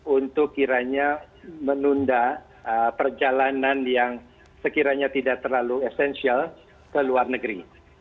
untuk kiranya menunda perjalanan yang sekiranya tidak terlalu esensial ke luar negeri